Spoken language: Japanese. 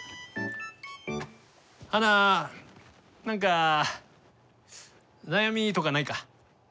花菜何か悩みとかないか？